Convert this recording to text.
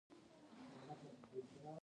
قواوي تقویه کړي.